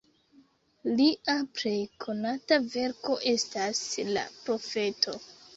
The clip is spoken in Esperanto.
Lia plej konata verko estas "La profeto".